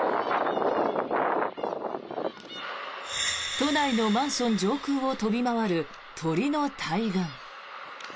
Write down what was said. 都内のマンション上空を飛び回る鳥の大群。